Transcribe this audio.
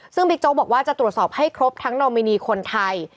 ซึ่งบิ๊กโจ๊กบอกว่าจะตรวจสอบให้ครบทั้งนอมินีคนไทย